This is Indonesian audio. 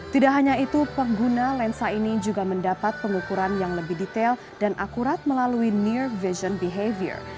tidak hanya itu pengguna lensa ini juga mendapat pengukuran yang lebih detail dan akurat melalui near vision behavior